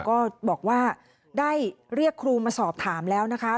ก็บอกว่าได้เรียกครูมาสอบถามแล้วนะคะ